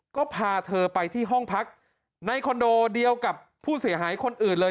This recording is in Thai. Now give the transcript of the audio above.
ก็พาเธอไปที่ห้องพักในคอนโดเดียวกับผู้เสียหายคนอื่นเลย